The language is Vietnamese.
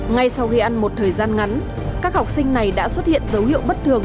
ngay sau khi ăn một thời gian ngắn các học sinh này đã xuất hiện dấu hiệu bất thường